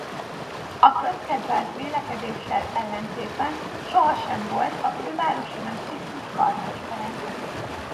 A közkedvelt vélekedéssel ellentétben sosem volt a Fővárosi Nagycirkusz karmestere.